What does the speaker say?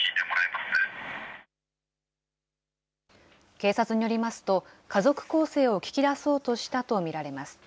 警察によりますと、家族構成を聞き出そうとしたと見られます。